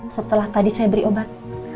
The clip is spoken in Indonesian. setelah tadi saya beri obat